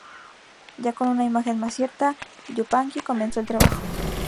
Ya con una imagen más cierta, Yupanqui comenzó el trabajo.